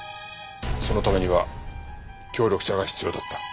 そのためには協力者が必要だった。